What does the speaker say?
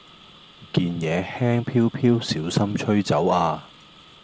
件野輕飄飄小心吹走呀